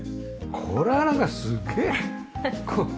これはなんかすげえ。